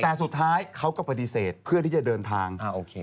แต่สุดท้ายเขาก็ปฏิเสธเพื่อที่จะเดินทาง